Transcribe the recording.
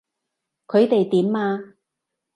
佢哋點啊？